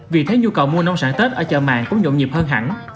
vì thế nhu cầu mua nông sản tết ở chợ màng cũng nhộn nhịp hơn hẳn